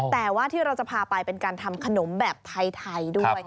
แต่ว่าที่เราจะพาไปเป็นการทำขนมแบบไทยด้วย